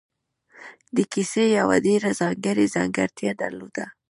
دې کیسې یوه ډېره ځانګړې ځانګړتیا درلوده